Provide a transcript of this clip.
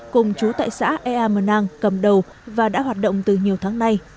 cùng chú tại xã ea mờ nang cầm đầu và đã hoạt động từ nhiều tháng nay